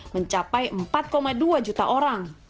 mencapai empat dua juta orang